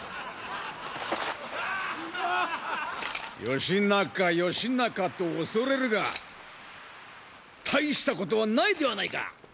・義仲義仲と恐れるが大したことはないではないか！